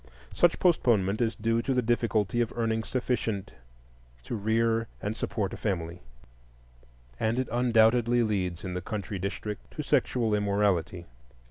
Such postponement is due to the difficulty of earning sufficient to rear and support a family; and it undoubtedly leads, in the country districts, to sexual immorality.